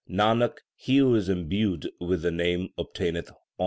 Nanak, he who is imbued with the Name obtaineth honour.